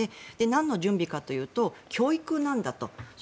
なんの準備かというと教育なんだと。